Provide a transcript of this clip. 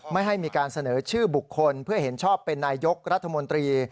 ไม่ให้มีการเสนอชื่อบุคคลเพื่อเห็นชอบเป็นนายยกรัฐมนตรี